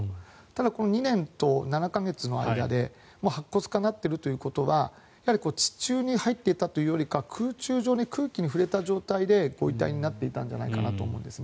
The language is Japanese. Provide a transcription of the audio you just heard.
ただ、２年７か月の間で白骨化になっているということはやはり地中に入っていたというよりは空中で空気に触れた状態でご遺体になっていたんじゃないかと思うんです。